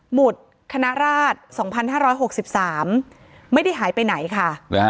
หุดคณะราช๒๕๖๓ไม่ได้หายไปไหนค่ะ